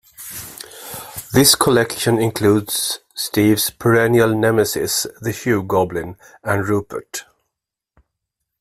This collection includes Steve's perennial nemesis the Shoe Goblin and Rupert.